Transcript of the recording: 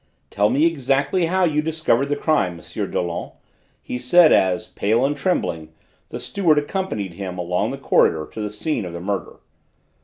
"Tell me exactly how you discovered the crime, M. Dollon," he said as, pale and trembling, the steward accompanied him along the corridor to the scene of the murder.